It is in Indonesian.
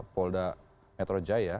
polda metro jaya